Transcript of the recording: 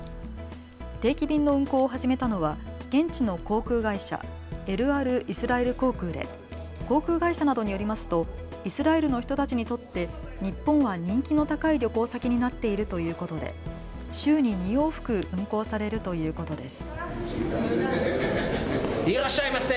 定期便の運航を始めたのは現地の航空会社、エルアルイスラエル航空で航空会社などによりますとイスラエルの人たちにとって日本は人気の高い旅行先になっているということで週に２往復運航されるということです。